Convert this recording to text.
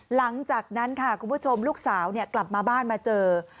หลังจากนั้นค่ะคุณผู้ชมลูกสาวกลับมาบ้านมาเจอ